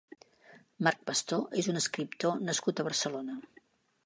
Marc Pastor és un escriptor nascut a Barcelona.